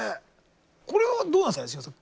これはどうなんですか？